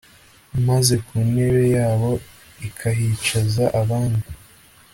maze ku ntebe yabo ikahicaza abandi